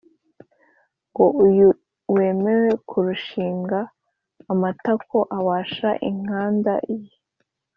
ngo uyu wemeye kurushinga, amatako abasha inkada weee